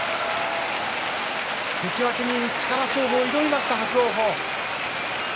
関脇に力勝負を挑みました伯桜鵬。